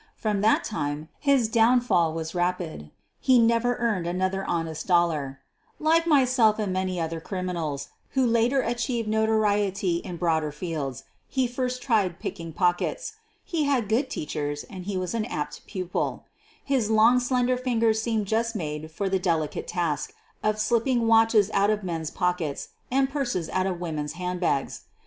From that time his down . fall was rapid; he never earned another honest dollar. Like myself and many other criminals who HOW RAYMOND CUT THE FAMOUS '' GAINSBOROUGH " OUT OF ITS FRAME, QUEEN OF THE BURGLARS 39 later achieved notoriety in broader fields, he first tried picking pockets. He had good teachers and he was an apt pupil. His long, slender fingers seemed just made for the delicate task of slipping watches out of men's pockets and purses out of women's handbags.